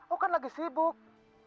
oh kan lagi sibuk